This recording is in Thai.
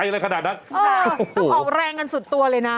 เราออกแรงกันสุดตัวเลยนะ